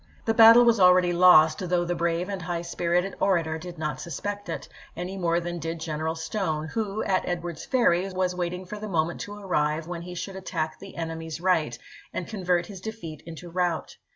The battle was already lost, though the brave and high spirited orator did not suspect it, any more than did General Stone, who, at Edwards Ferry, was waiting for the moment to arrive when he should attack the enemy's right and convert his defeat into rout.